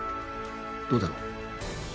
どうだろう？